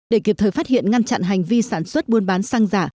để kịp thời phát hiện ngăn chặn hành vi sản xuất buôn bán xăng giả